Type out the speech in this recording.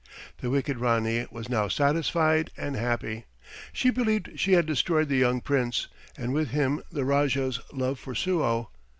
The wicked Ranee was now satisfied and happy. She believed she had destroyed the young Prince, and with him the Rajah's love for Suo.